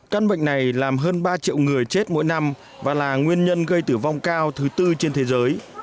căn bệnh này làm hơn ba triệu người chết mỗi năm và là nguyên nhân gây tử vong cao thứ tư trên thế giới